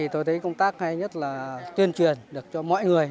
tôi thấy công tác hay nhất là tuyên truyền được cho mọi người